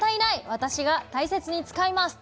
私が大切に使います！